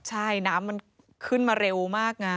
ใช่น้ำมันขึ้นมาเร็วมากไง